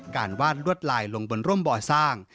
วาดลวดลายลงบนร่มบ่อสร้าง